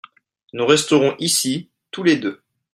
Nous resterons ici tous les deux.